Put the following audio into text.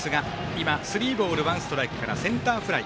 今、スリーボールワンストライクからセンターフライ。